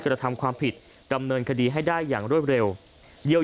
กรธรธรมความผิดกำเนินคดีให้ได้อย่างเร็วเยียว